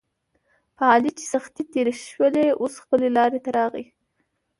په علي چې سختې تېرې شولې اوس خپله لارې ته راغی.